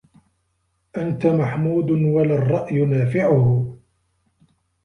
أَنْتَ مَحْمُودٌ وَلَا الرَّأْيُ نَافِعُهْ